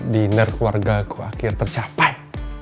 dinner keluarga ku akhir tercapai